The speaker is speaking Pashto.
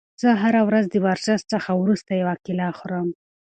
زه هره ورځ د ورزش څخه وروسته یوه کیله خورم.